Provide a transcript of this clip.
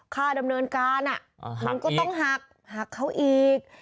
อ๋อค่าดำเนินการมึงก็ต้องหักเขาอีก